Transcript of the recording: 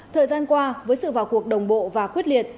thời gian qua với sự vào cuộc đồng bộ và quyết liệt